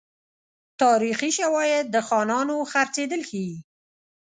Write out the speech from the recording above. تاریخي شواهد د خانانو خرڅېدل ښيي.